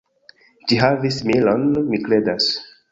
Ĝi havis milon, mi kredas.